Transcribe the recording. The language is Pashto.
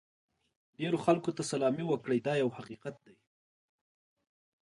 ډېرو خلکو ته سلامي وکړئ دا یو حقیقت دی.